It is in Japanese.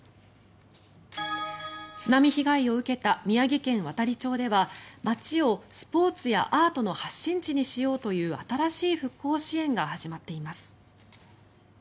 津波被害を受けた宮城県亘理町では町をスポーツやアートの発信地にしようという新しい復興支援が始まっています。